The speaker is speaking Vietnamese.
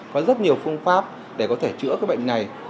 có rất nhiều phương pháp để có thể chữa cái bệnh này